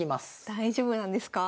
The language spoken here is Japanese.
大丈夫なんですか？